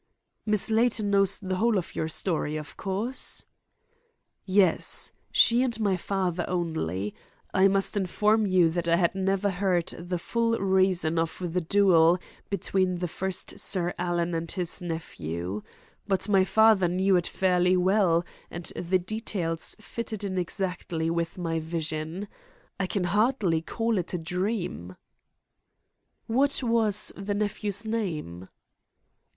"Miss Layton knows the whole of your story, of course?" "Yes; she and my father only. I must inform you that I had never heard the full reason of the duel between the first Sir Alan and his nephew. But my father knew it fairly well, and the details fitted in exactly with my vision. I can hardly call it a dream." "What was the nephew's name?"